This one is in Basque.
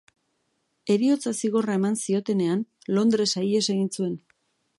Heriotza-zigorra eman ziotenean, Londresa ihes egin zuen.